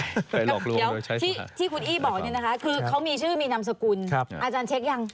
เขียวที่คุณอี้บอกเนี่ยนะคะคือเขามีชื่อมีนามสกุลอาจารย์เช็คยัง